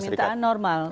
iya permintaan normal